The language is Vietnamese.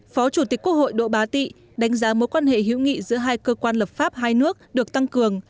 phó chủ tịch quốc hội đỗ bá tị đánh giá mối quan hệ hữu nghị giữa hai cơ quan lập pháp hai nước được tăng cường